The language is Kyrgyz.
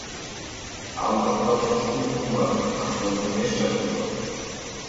Ал жакта укмуштуу кум бар, андай кум эч жакта жок!